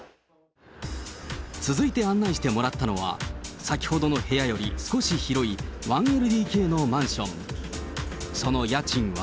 続いて案内してもらったのは、先ほどの部屋より少し広い１ＬＤＫのマンション。